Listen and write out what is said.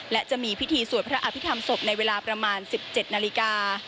และจะมีพิธีสวดพระอภิษฐรรมศพในเวลาประมาณ๑๗นาฬิกา